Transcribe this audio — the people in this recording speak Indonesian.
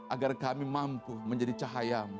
agar kami mampu menjadi cahayamu